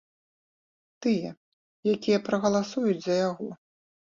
Тыя, якія прагаласуюць за яго.